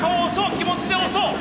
気持ちで押そう！